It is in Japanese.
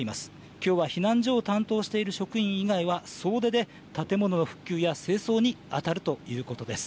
きょうは避難所を担当している職員以外は総出で、建物の復旧や清掃に当たるということです。